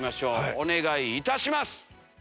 お願いいたします！